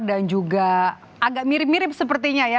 dan juga agak mirip mirip sepertinya ya